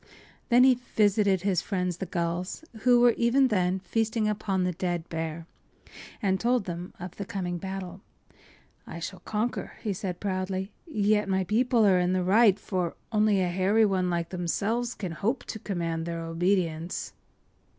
” Then he visited his friends, the gulls, who were even then feasting upon the dead bear, and told them of the coming battle. “I shall conquer,” he said, proudly. “Yet my people are in the right, for only a hairy one like themselves can hope to command their obedience.